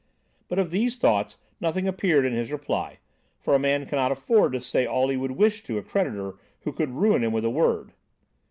But of these thoughts nothing appeared in his reply, for a man cannot afford to say all he would wish to a creditor who could ruin him with a word.